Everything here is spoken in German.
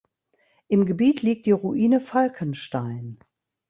Im Gebiet liegt die Ruine Falkenstein.